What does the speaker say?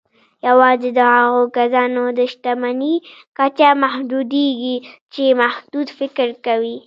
يوازې د هغو کسانو د شتمني کچه محدودېږي چې محدود فکر کوي.